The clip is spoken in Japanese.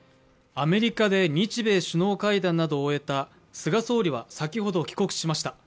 アメリカで日米首脳会談などを終えた菅総理は先ほど帰国しました。